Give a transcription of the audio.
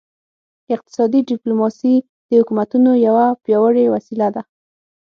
اقتصادي ډیپلوماسي د حکومتونو یوه پیاوړې وسیله ده